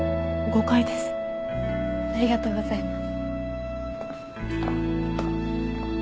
ありがとうございます。